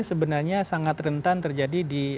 sebenarnya sangat rentan terjadi di